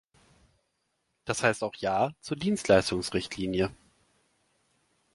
Das heißt auch ja zur Dienstleistungsrichtlinie.